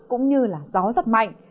cũng như là gió giật mạnh